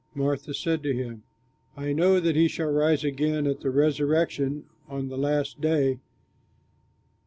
Martha said to him, "I know that he shall rise again, at the resurrection on the last day."